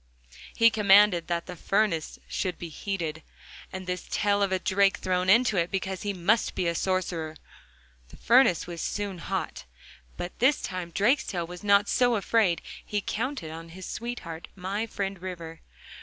He commanded that the furnace should be heated, and this tail of a drake thrown into it, because he must be a sorcerer. The furnace was soon hot, but this time Drakestail was not so afraid; he counted on his sweetheart, my friend River.